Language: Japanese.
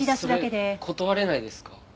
それ断れないですか？